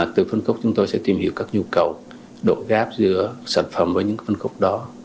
từ phân khúc chúng tôi sẽ tìm hiểu các nhu cầu độ gáp giữa sản phẩm với những phân khúc đó